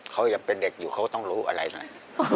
เขายังเป็นเด็กอยู่เขาก็ต้องรู้อะไรหน่อย